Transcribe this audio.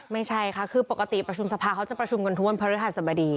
ไม่ใช่ค่ะคือปกติประชุมสภาเขาจะประชุมกันทุกวันพระฤหัสบดี